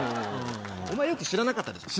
お前よく知らなかったでしょ？